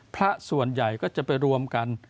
พระส่วนใหญ่ก็จะไปรวมกัน